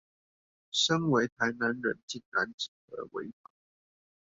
身為台南人竟然只喝微糖